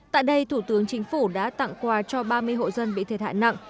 tại đây thủ tướng chính phủ đã tặng quà cho ba mươi hộ dân bị thiệt hại nặng